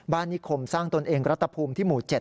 นิคมสร้างตนเองรัฐภูมิที่หมู่๗